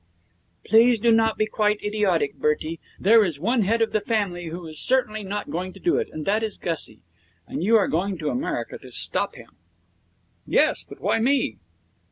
'Please do not be quite idiotic, Bertie. There is one head of the family who is certainly not going to do it, and that is Gussie. And you are going to America to stop him.' 'Yes, but why me?'